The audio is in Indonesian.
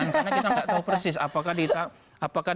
karena kita tidak tahu persis apakah